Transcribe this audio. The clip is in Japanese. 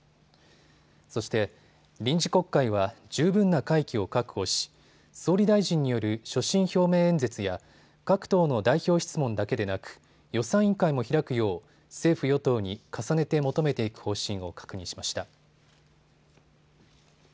そして臨時国会は十分な会期を確保し総理大臣による所信表明演説や各党の代表質問だけでなく予算委員会も開くよう政府与党に重ねて求めていく方針を確認しました。